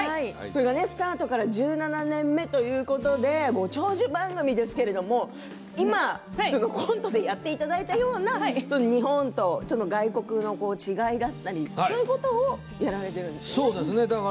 スタートから１７年目ということで長寿番組ですが今コントでやっていただいたような日本と外国の違いがあるということをやられてるんですか？